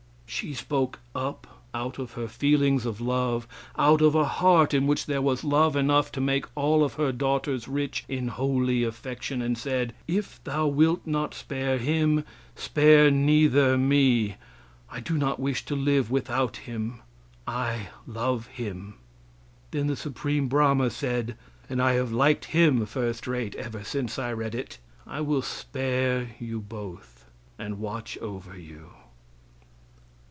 She spoke up out of her feelings of love, out of a heart in which there was love enough to make all of her daughters rich in holy affection, and said, "If thou wilt not spare him, spare neither me; I do not wish to live without him; I love him." Then the Supreme Brahma said and I have liked him first rate ever since I read it "I will spare you both and watch over you."